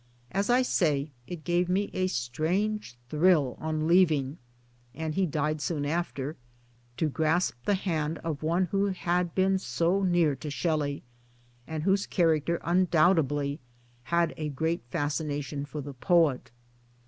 As I say, it gave me a strange thrill on leaving (and he died soon after) to grasp the hand of one who had been so near to Shelley, and whose character un doubtedly had a great fascination for the poet.